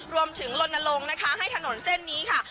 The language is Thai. ลนลงนะคะให้ถนนเส้นนี้ค่ะ